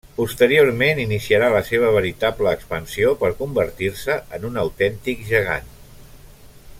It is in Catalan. Posteriorment iniciarà la seva veritable expansió per convertir-se en un autèntic gegant.